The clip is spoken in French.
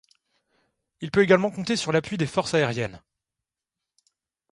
Il peut également compter sur l'appui des forces aériennes.